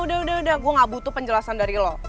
udah udah gue gak butuh penjelasan dari lo